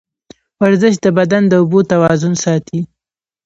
ورزش د بدن د اوبو توازن ساتي.